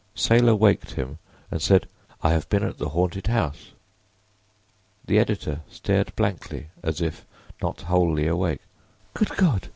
Saylor waked him and said: "I have been at the haunted house." The editor stared blankly as if not wholly awake. "Good God!"